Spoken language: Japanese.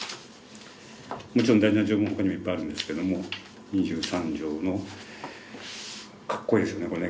もちろん大事な条文他にもいっぱいあるんですけども２３条のかっこいいですねこれね。